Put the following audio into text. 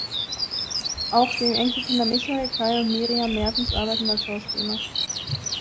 Auch die Enkelkinder Michael, Kai und Miriam Maertens arbeiten als Schauspieler.